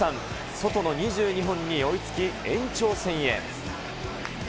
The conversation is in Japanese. ソトの２２本に追いつき、延長戦へ。